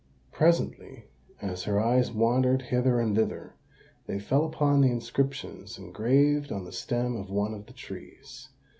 Presently, as her eyes wandered hither and thither, they fell upon the inscriptions engraved on the stem of one of the trees.